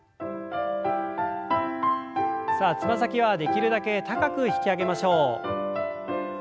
さあつま先はできるだけ高く引き上げましょう。